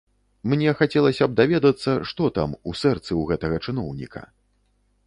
Мне хацелася б даведацца, што там, у сэрцы ў гэтага чыноўніка.